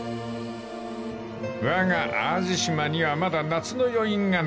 ［わが淡路島にはまだ夏の余韻が残っている］